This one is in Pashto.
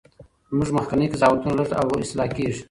زموږ مخکني قضاوتونه لږ او اصلاح کیږي.